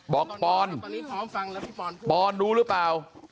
บอกป้อนป้อนรู้หรือเปล่า